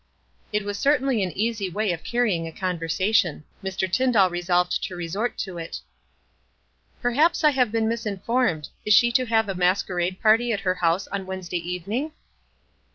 It was certainly an easy way of carrying on a conversation. Mr. Tyndall resolved to re sort to it. "Perhaps I have been misinformed. Is she to have a masquerade party at her house on Wednesday evening?"